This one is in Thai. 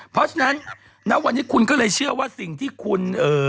เพราะฉะนั้นณวันนี้คุณก็เลยเชื่อว่าสิ่งที่คุณเอ่อ